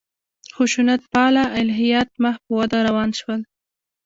خشونت پاله الهیات مخ په وده روان شول.